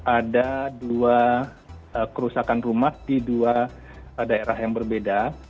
ada dua kerusakan rumah di dua daerah yang berbeda